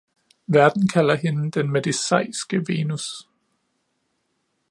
Verden kalder hende Den Mediceiske Venus.